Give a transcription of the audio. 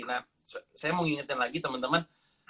nah saya mau ngingetin lagi temen temen